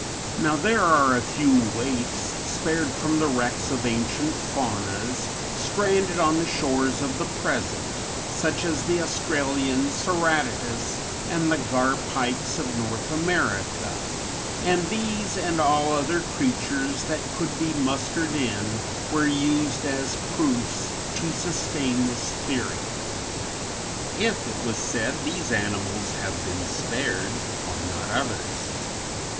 Now there are a few waifs, spared from the wrecks of ancient faunas, stranded on the shores of the present, such as the Australian Ceratodus and the Gar Pikes of North America, and these and all other creatures that could be mustered in were used as proofs to sustain this theory. If, it was said, these animals have been spared, why not others?